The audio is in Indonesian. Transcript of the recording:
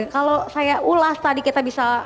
kalau saya ulas tadi kita bisa